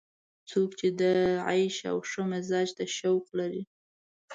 څوک چې د عیش او ښه معراج ته شوق لري.